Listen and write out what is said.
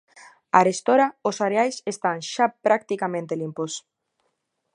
Arestora os areais están xa practicamente limpos.